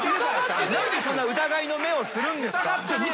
何でそんな疑いの目をするんですか？